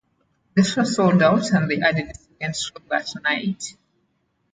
The show sold out and they added a second show that night.